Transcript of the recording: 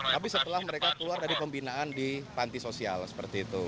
tapi setelah mereka keluar dari pembinaan di panti sosial seperti itu